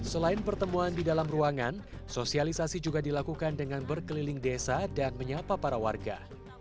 selain pertemuan di dalam ruangan sosialisasi juga dilakukan dengan berkeliling desa dan menyapa para warga